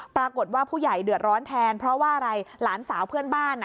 ปรากฏว่าผู้ใหญ่เดือดร้อนแทนเพราะว่าอะไรหลานสาวเพื่อนบ้าน